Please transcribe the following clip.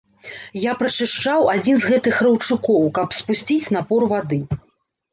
Я прачышчаў адзін з гэтых раўчукоў, каб спусціць напор вады.